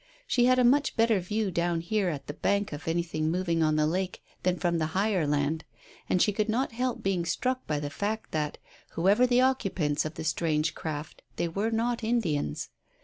She had a much better view down here at the bank of anything moving on the lake than from the higher land, and she could not help being struck by the fact that, whoever the occupants of the strange craft, they were not Indians.